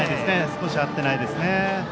少し合ってないですね。